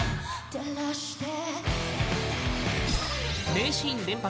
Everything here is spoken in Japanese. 名シーン連発！